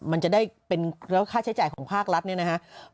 มันจะได้เป็นแล้วค่าใช้จ่ายของภาครัฐเนี่ยนะครับ